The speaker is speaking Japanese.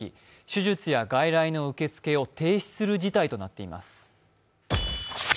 手術や外来の受付を停止する事態となっています。